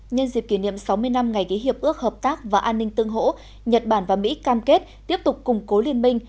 nhân dịp kỷ niệm sáu mươi năm ngày ký hiệp ước hợp tác và an ninh tương hỗ nhật bản và mỹ cam kết tiếp tục củng cố liên minh